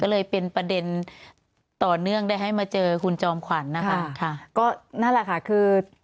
ก็เลยเป็นประเด็นต่อเนื่องได้ให้มาเจอคุณจอมขวัญนะคะค่ะก็นั่นแหละค่ะคือ